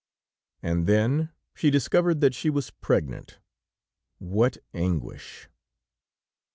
And then she discovered that she was pregnant! What anguish!